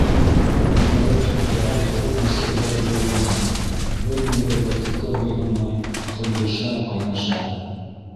Уйҙары ҡортлаған ҡорот мискәһеләй тулғана, бер ниндәй тәртипкә буйһонмай ҡымйыша-ҡайнаша.